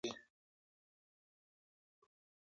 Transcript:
دوی په کاسو کاسو وینې څښي.